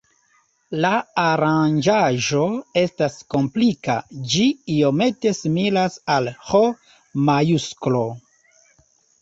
La aranĝaĵo estas komplika, ĝi iomete similas al H-majusklo.